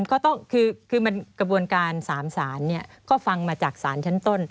กระบวนการสามสารก็ฟังมาจากสารชั้นต้น